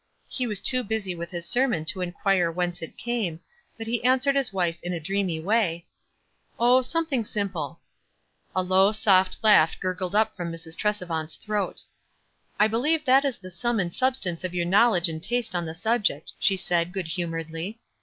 He was too busy with his sermon to inquire whence it came, but he answered his wife in a dreamy way, — "Oh, something simple." A low, soft laugh gurgled up from Mrs. Tresevant's throat. "I believe that is the sum and substance of your knowledge and taste on the subject," she said, good humoredly.